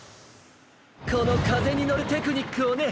このかぜにのるテクニックをね！